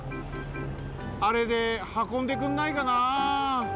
あれではこんでくんないかな。